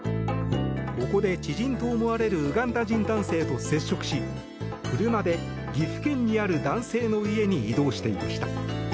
ここで知人と思われるウガンダ人男性と接触し車で岐阜県にある男性の家に移動していました。